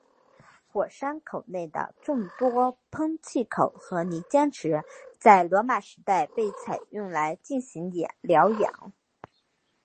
火山口内的众多喷气口和泥浆池在罗马时代就被用来进行疗养。